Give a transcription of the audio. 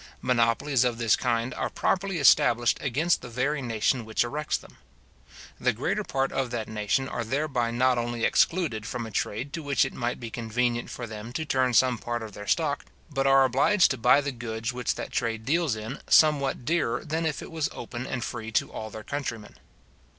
Monopolies of this kind are properly established against the very nation which erects them. The greater part of that nation are thereby not only excluded from a trade to which it might be convenient for them to turn some part of their stock, but are obliged to buy the goods which that trade deals in somewhat dearer than if it was open and free to all their countrymen.